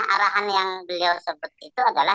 arahan yang beliau sebut itu adalah